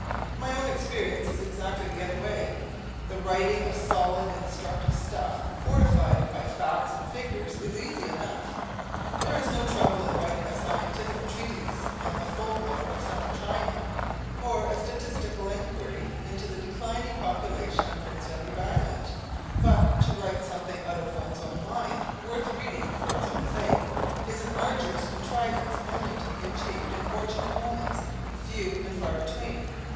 My own experience is exactly the other way. The writing of solid, instructive stuff fortified by facts and figures is easy enough. There is no trouble in writing a scientific treatise on the folk lore of Central China, or a statistical enquiry into the declining population of Prince Edward Island. But to write something out of one's own mind, worth reading for its own sake, is an arduous contrivance only to be achieved in fortunate moments, few and far between.